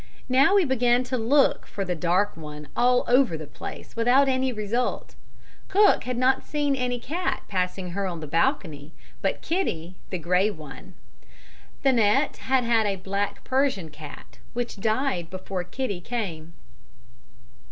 Now we began to look for the dark one all over the place without any result. Cook had not seen any cat passing her on the balcony, but Kitty the grey one. Thanet had had a black Persian cat, which died before Kitty came.